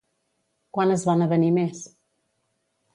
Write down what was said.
Quan es van avenir més?